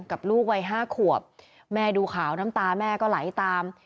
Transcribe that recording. กับลูกวัย๕ขวบแม่ดูขาวน้ำตาแม่ก็ไหลตาม